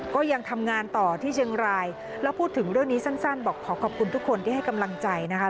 ก็ยังทำงานต่อที่เชียงรายแล้วพูดถึงเรื่องนี้สั้นบอกขอขอบคุณทุกคนที่ให้กำลังใจนะคะ